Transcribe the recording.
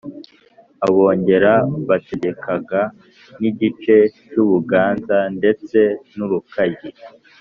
abongera bategekaga n'igice cy'u buganza ndetse n'u rukaryi